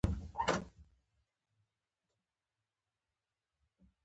مېلمه ته د کور د خوړو قدر وښیه.